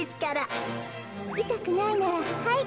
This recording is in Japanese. いたくないならはい。